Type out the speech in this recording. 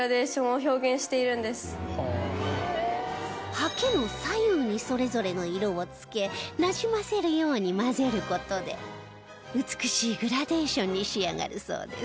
刷毛の左右にそれぞれの色をつけなじませるように混ぜる事で美しいグラデーションに仕上がるそうです